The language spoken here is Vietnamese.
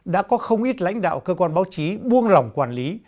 đã có không ít lãnh đạo cơ quan báo chí buông lỏng quản lý